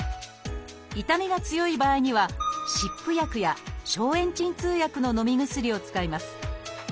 痛みが強い場合には湿布薬や消炎鎮痛薬の飲み薬を使います。